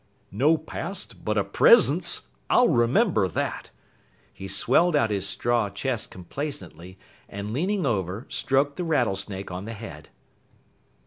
"No past but a presence I'll remember that!" He swelled out his straw chest complacently, and leaning over, stroked the Rattlesnake on the head.